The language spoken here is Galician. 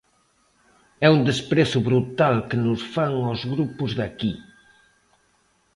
É un desprezo brutal que nos fan aos grupos de aquí.